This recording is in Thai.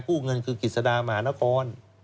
กู้เงินคือกิจศภาพมหานคร